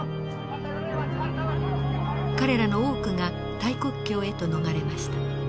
彼らの多くがタイ国境へと逃れました。